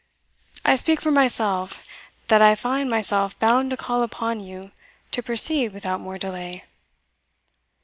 I speak for myself, that I find myself bound to call upon you to proceed without more delay."